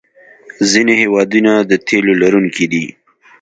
ځینې هېوادونه د تیلو لرونکي دي.